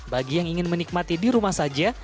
bagi yang ingin menikmati di rumah saja